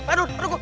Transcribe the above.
guru tunggu guru